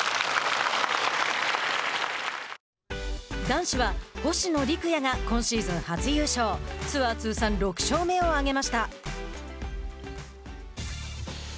男子は星野陸也が今シーズン初優勝ツアー通算６勝目を挙げました。